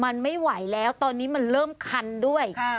มันไม่ไหวแล้วตอนนี้มันเริ่มคันด้วย